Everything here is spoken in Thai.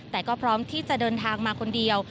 แต่ก็พร้อมที่จะเดินทางมาคนเดียว